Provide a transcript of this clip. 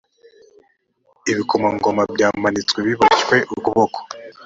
ibikomangoma byamanitswe biboshywe ukuboko